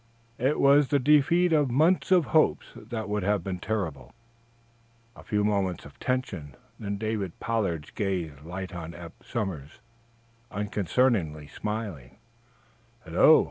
It was the defeat of months of hopes that would have been terrible. A few moments of tension, then David Pollard's gaze lighted on Eph Somers, unconcernedly smiling.